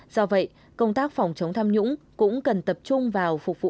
do vậy công tác phòng chống tham nhũng cũng cần tập trung vào phục vụ